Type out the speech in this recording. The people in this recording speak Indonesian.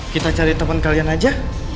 kita cari teman kalian aja